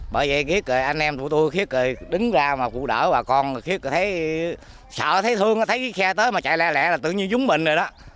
bởi vậy khiến anh em tụi tôi khiến đứng ra mà vụ đỡ bà con khiến thấy sợ thấy thương thấy xe tới mà chạy lạ lạ là tự nhiên dúng mình rồi đó